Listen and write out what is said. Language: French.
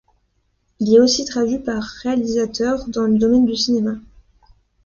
Il est aussi traduit par réalisateur dans le domaine du cinéma.